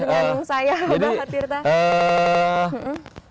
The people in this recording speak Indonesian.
berpantekan dengan saya abah hati hati